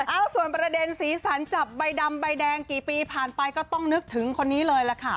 เอ้าส่วนประเด็นสีสันจับใบดำใบแดงกี่ปีผ่านไปก็ต้องนึกถึงคนนี้เลยล่ะค่ะ